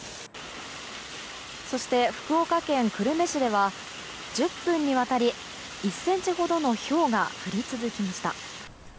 そして、福岡県久留米市では１０分にわたり１ｃｍほどのひょうが降り続きました。